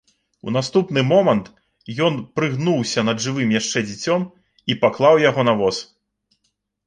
У наступны момант ён прыгнуўся над жывым яшчэ дзіцем і паклаў яго на воз.